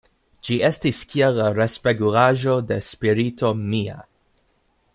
Ĝi estis kiel la respegulaĵo de spirito mia.